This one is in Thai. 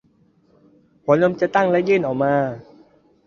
หัวนมจะตั้งและยื่นออกมา